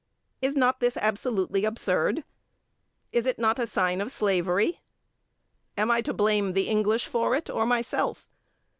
Is not this absolutely absurd? Is it not a sign of slavery? Am I to blame the English for it or myself?